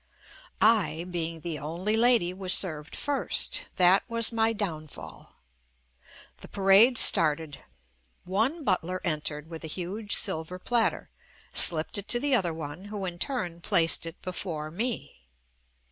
I, being the only lady, was served first. That was my downfall. The parade started. One butler entered with a huge silver platter, slipped it to the other one, who in turn placed it before me.